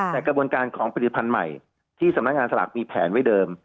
แต่กระบวนการของผลิตภัณฑ์ใหม่ที่สำนักงานสลากมีแผนไว้เดิม